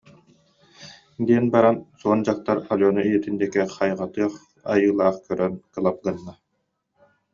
диэн баран суон дьахтар Алена ийэтин диэки хайҕатыах айылаах көрөн кылап гынна